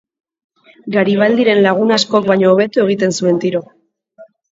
Garibaldiren lagun askok baino hobeto egiten zuen tiro.